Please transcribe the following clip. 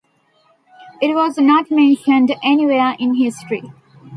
It was not mentioned any where in history.